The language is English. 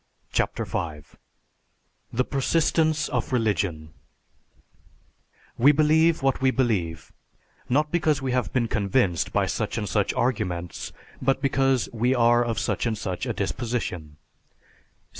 CHAPTER V THE PERSISTENCE OF RELIGION _We believe what we believe, not because we have been convinced by such and such arguments, but because we are of such and such a disposition.